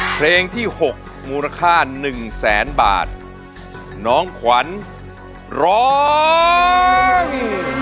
เพลงที่หกมูลค่าหนึ่งแสนบาทน้องขวัญร้อง